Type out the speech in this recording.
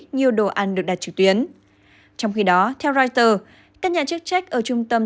nhiều đồ ăn được đặt trực tuyến trong khi đó theo reuters các nhà chức trách ở trung tâm